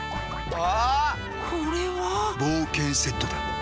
あ！